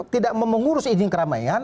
tidak mengurus izin keramaian